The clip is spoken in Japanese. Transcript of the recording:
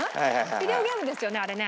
ビデオゲームですよねあれね。